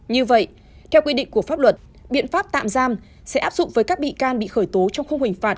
như vậy theo quy định của pháp luật biện pháp tạm giam sẽ áp dụng với các bị can bị khởi tố trong khung hình phạt